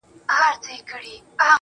وي دردونه په سيــــنـــــوكـــــــــي.